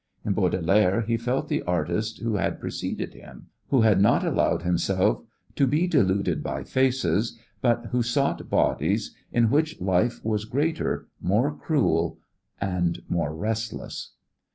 In Baudelaire he felt the artist who had preceded him, who had not allowed himself to be deluded by faces but who sought bodies in which life was greater, more cruel and more restless.